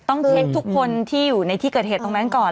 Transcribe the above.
ต้องเช็คทุกคนที่อยู่ในที่เกิดเหตุตรงนั้นก่อน